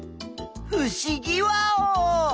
ふしぎワオ！